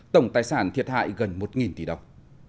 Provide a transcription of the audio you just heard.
tổng tài sản thiệt hại gần một tỷ đồng